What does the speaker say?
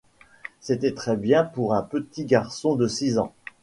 C’était très bien pour un petit garçon de six ans.